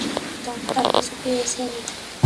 Doctor, কিছু পেয়েছেন?